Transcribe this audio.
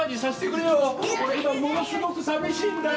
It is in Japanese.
俺今ものすごく寂しいんだよ。